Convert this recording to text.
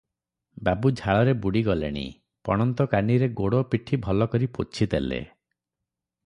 ବାବୁ ଝାଳରେ ବୁଡ଼ି ଗଲେଣି ।’ ପଣନ୍ତକାନିରେ ଗୋଡ଼ ପିଠି ଭଲ କରି ପୋଛି ଦେଲେ ।